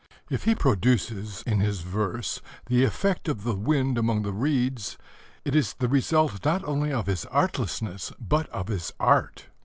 If he produces in his verse the effect of the wind among the reeds, it is the result not only of his artlessness, but of his art.